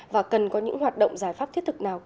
và cần có những hoạt động giải pháp thiết thực nào